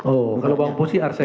oh kalau bawang putih arsen